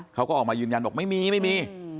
เขาก็ออกมายืนยันบอกไม่มีไม่มี